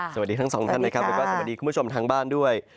สวัสดีทั้งสองท่านนะครับแล้วก็สวัสดีคุณผู้ชมทางบ้านด้วย